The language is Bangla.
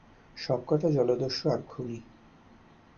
সবকটা জলদস্যু আর খুনি।